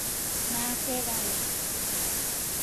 NA kwelala.